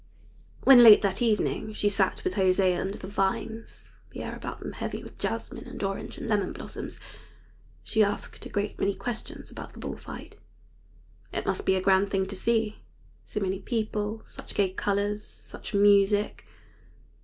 When, late that evening, she sat with José under the vines, the air about them heavy with jasmine and orange and lemon blossoms, she asked a great many questions about the bull fight. It must be a grand thing to see so many people, such gay colors, such music.